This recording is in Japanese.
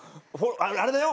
あれだよ？